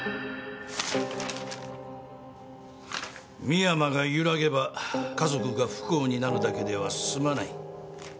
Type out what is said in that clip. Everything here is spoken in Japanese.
深山が揺らげば家族が不幸になるだけでは済まない。